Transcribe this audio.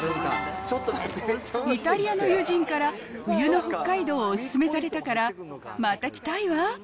イタリアの友人から、冬の北海道をお勧めされたから、また来たいわ。